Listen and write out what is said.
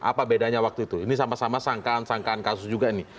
apa bedanya waktu itu ini sama sama sangkaan sangkaan kasus juga ini